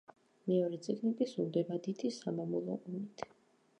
მეორე წიგნი კი სრულდება დიდი სამამულო ომით.